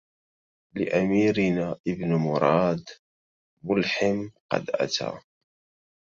لأميرنا ابن مراد ملحم قد أتى